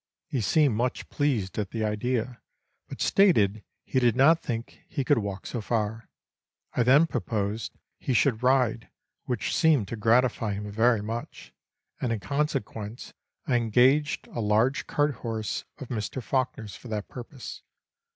He seemed much pleased at the idea, but stated he did not think he could walk so far. I then proposed he should ride, which seemed to gratify him very much, and in consequence I engaged a large cart horse of Mr. Fawkner's for that purpose.